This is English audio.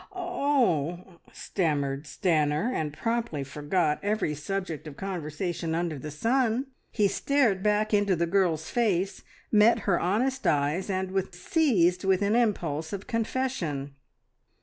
"Er er " stammered Stanor, and promptly forgot every subject of conversation under the sun. He stared back into the girl's face, met her honest eyes, and was seized with an impulse of confession.